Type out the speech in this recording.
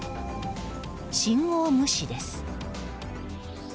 信号無視です。